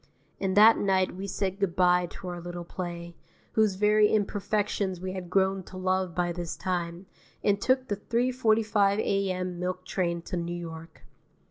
And that night we said good bye to our little play, whose very imperfections we had grown to love by this time, and took the 3:45 A.M. milk train to New York.